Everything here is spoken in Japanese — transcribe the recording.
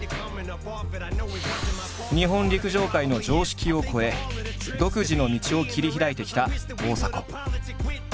日本陸上界の常識を超え独自の道を切り開いてきた大迫。